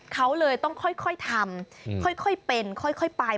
เขาเลยต้องค่อยทำค่อยเป็นค่อยไป